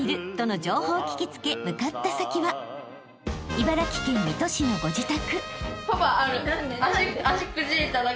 ［茨城県水戸市のご自宅］